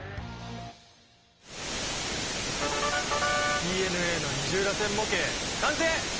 ＤＮＡの二重らせん模型完成！